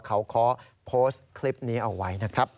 เขาขอโพสต์คลิปนี้เอาไว้นะครับ